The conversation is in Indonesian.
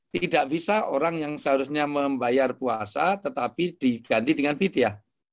tidak bisa orang yang seharusnya membayar puasa tetapi diganti dengan vidya